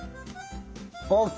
ＯＫ。